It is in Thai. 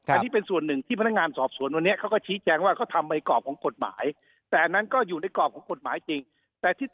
อันนี้เป็นส่วนหนึ่งที่พนักงานสอบสวนวันนี้